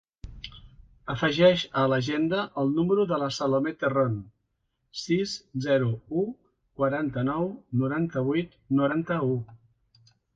Afegeix a l'agenda el número de la Salomé Terron: sis, zero, u, quaranta-nou, noranta-vuit, noranta-u.